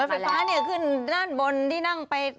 แล้วไฟฟ้านี่คืนนั่นบนที่นั่งไป